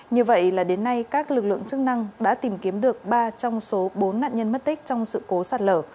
như vậy là đến nay các lực lượng chức năng đã tìm kiếm được ba trong số bốn nạn nhân mất tích trong sự cố sạt lở